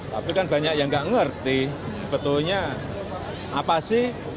tapi kan banyak yang nggak ngerti sebetulnya apa sih